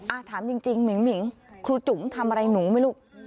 ถามจริงหมิ่งหิงครูจุ๋มทำอะไรหนูไหมลูก